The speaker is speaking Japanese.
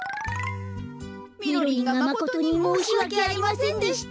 みろりんがまことにもうしわけありませんでした。